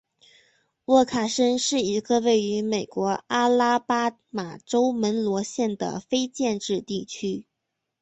沃卡申是一个位于美国阿拉巴马州门罗县的非建制地区。